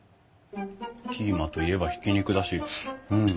キーマといえばひき肉だしうん。